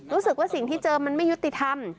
รู้สึกว่าสิ่งที่เจอมันไม่ยุติธรรม